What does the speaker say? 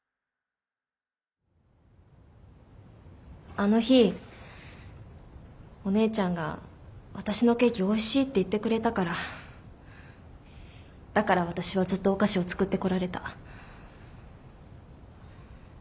あの日お姉ちゃんが私のケーキおいしいって言ってくれたからだから私はずっとお菓子を作ってこられた。